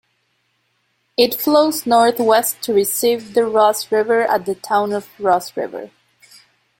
It flows northwest to receive the Ross River at the town of Ross River.